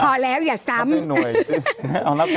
พอแล้วอย่าซ้ำ